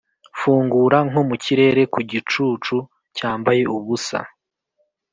fungura nko mu kirere ku gicucu cyambaye ubusa